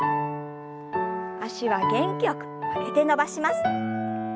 脚は元気よく曲げて伸ばします。